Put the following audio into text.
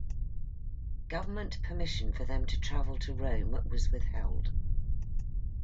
Government permission for them to travel to Rome was withheld.